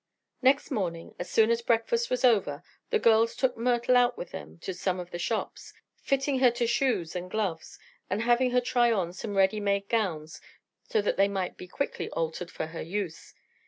Next morning, as soon as breakfast was over, the girls took Myrtle out with them to some of the shops, fitting her to shoes and gloves and having her try on some ready made gowns so that they might be quickly altered for her use.